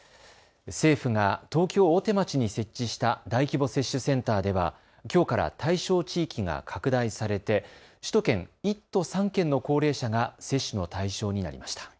政府が東京大手町に設置した大規模接種センターでは、きょうから対象地域が拡大されて首都圏、１都３県の高齢者が接種の対象になりました。